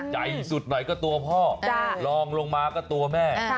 ใจสุดหน่อยก็ตัวพ่อลองลงมาก็ตัวแม่